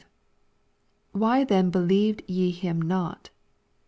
— [WTiy then believed ye him not?